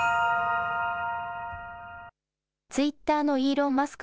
ツイッターのイーロン・マスク